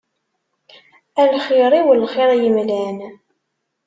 A lxir-iw lxir yemlan.